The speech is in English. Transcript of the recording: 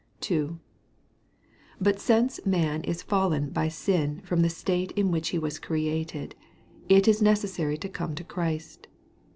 II. But since man is fallen by sin from the state in which he was created, it is necessary to come to Christ.